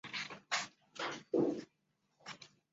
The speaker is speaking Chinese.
而香苗却对丈夫在秘密社会里工作相关的事情一无所知。